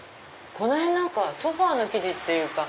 この辺ソファの生地っていうか。